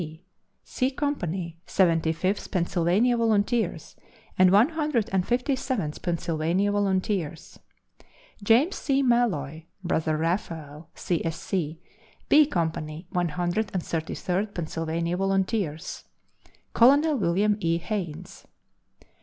C.), C Company, Seventy fifth Pennsylvania Volunteers and One Hundred and Fifty seventh Pennsylvania Volunteers. James C. Malloy (Brother Raphael, C. S. C.), B Company, One Hundred and Thirty third Pennsylvania Volunteers. Colonel William E. Haynes.